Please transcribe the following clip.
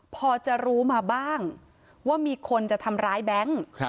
พอจะรู้มาบ้างว่ามีคนจะทำร้ายแบงค์